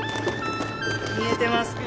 見えてますか？